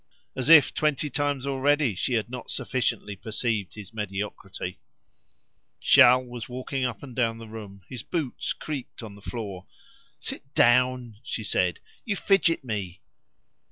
As if twenty times already she had not sufficiently perceived his mediocrity. Charles was walking up and down the room; his boots creaked on the floor. "Sit down," she said; "you fidget me."